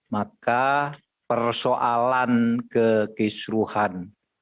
maka persoalan kekisruhan